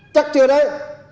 chắc chưa đấy